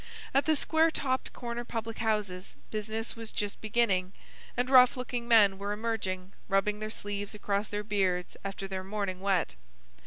At the square topped corner public houses business was just beginning, and rough looking men were emerging, rubbing their sleeves across their beards after their morning wet.